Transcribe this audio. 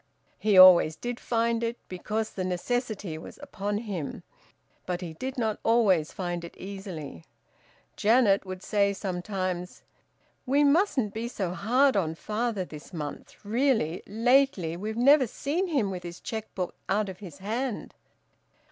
He always did find it, because the necessity was upon him, but he did not always find it easily. Janet would say sometimes, "We mustn't be so hard on father this month; really, lately we've never seen him with his cheque book out of his hand."